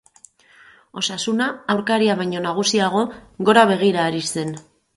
Osasuna, aurkaria baino nagusiago, gora begira ari zen.